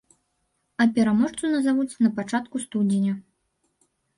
А пераможцу назавуць на пачатку студзеня.